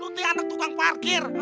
eh eh lu tia anak tukang parkir